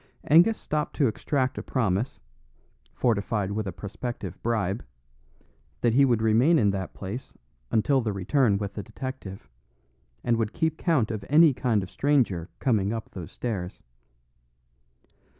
Angus stopped to extract a promise, fortified with a prospective bribe, that he would remain in that place until the return with the detective, and would keep count of any kind of stranger coming up those stairs.